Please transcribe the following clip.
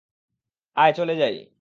আয়, চলে যাই।